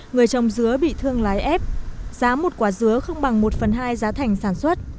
người trồng dứa bị thương lái ép giá một quả dứa không bằng một phần hai giá thành sản xuất